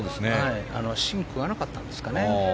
芯を食わなかったんですかね。